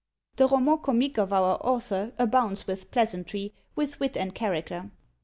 The Roman Comique of our author abounds with pleasantry, with wit and character.